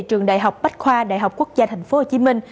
trường đại học bách khoa đại học quốc gia thành phố hồ chí minh